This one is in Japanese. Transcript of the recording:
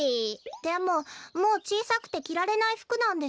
でももうちいさくてきられないふくなんでしょ？